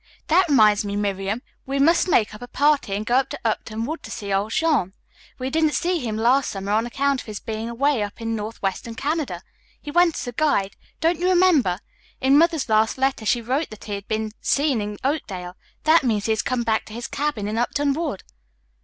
"That reminds me, Miriam, we must make up a party and go to Upton Wood to see old Jean. We didn't see him last summer on account of his being away up in northwestern Canada. He went as a guide. Don't you remember? In Mother's last letter she wrote that he had been seen in Oakdale. That means that he has come back to his cabin in Upton Wood."